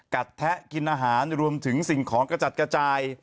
แทะกินอาหารรวมถึงสิ่งของกระจัดกระจาย